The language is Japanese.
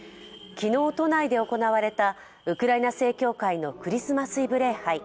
昨日、都内で行われたウクライナ正教会のクリスマスイブ礼拝。